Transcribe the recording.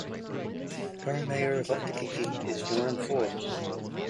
The current Mayor of Opotiki is John Forbes.